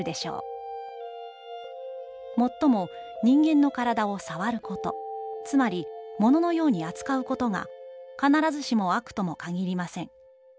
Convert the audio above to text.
「もっとも、人間の体を『さわる』こと、つまり物のように扱うことが必ずしも『悪』とも限りません」。